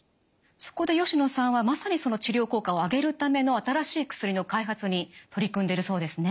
そこで吉野さんはまさにその治療効果を上げるための新しい薬の開発に取り組んでいるそうですね。